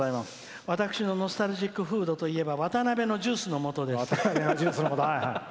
私のノスタルジックフードといえば渡辺のジュースのもとです。